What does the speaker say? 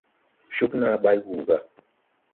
Cúg naa bay wùu gà.